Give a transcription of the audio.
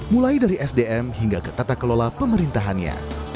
mulai dari sdm hingga ke tata kelola pemerintahannya